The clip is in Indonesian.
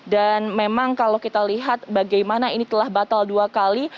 dan memang kalau kita lihat bagaimana ini telah batal dua kali